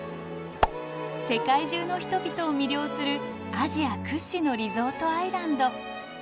世界中の人々を魅了するアジア屈指のリゾートアイランド。